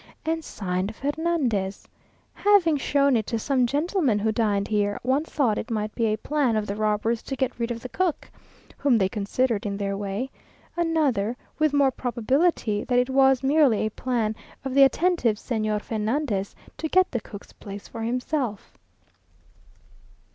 and signed Fernandez. Having shown it to some gentlemen who dined here, one thought it might be a plan of the robbers to get rid of the cook, whom they considered in their way; another, with more probability, that it was merely a plan of the attentive Señor Fernandez to get the cook's place for himself.